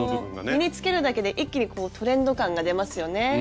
身に着けるだけで一気にこうトレンド感が出ますよね。